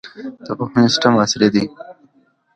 د پوهنې سیستم عصري کړئ.